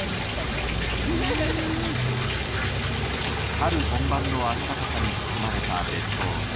春本番の暖かさに包まれた列島。